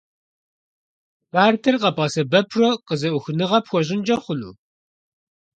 Картэр къэбгъэсэбэпурэ къызэӀухыныгъэ пхуэщӀынкӀэ хъуну?